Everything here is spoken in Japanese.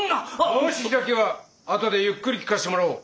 申し開きは後でゆっくり聞かせてもらおう。